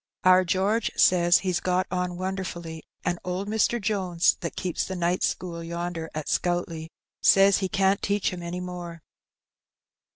Our George says he got on wonderfully; and old Mr. Jones, that keeps the night school yonder at Scoutleigh, says he can't teach him any more."